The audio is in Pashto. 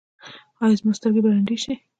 ایا زما سترګې به ړندې شي؟